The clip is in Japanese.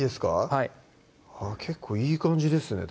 はい結構いい感じですね